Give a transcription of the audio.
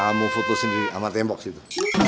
kamu foto sendiri sama tembok situ